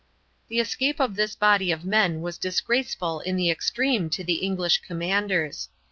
The escape of this body of men was disgraceful in the extreme to the English commanders.